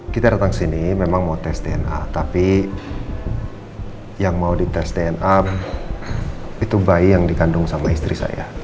kita datang sini memang mau tes dna tapi yang mau dites dna itu bayi yang dikandung sama istri saya